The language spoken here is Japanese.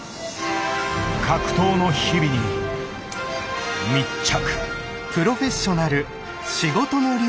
格闘の日々に密着。